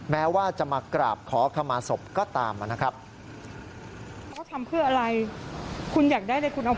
แม้ว่าจะมากราบขอขมาศพก็ตามนะครับ